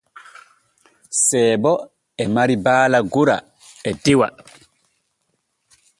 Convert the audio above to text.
Seebo e mari baala gora e dewa.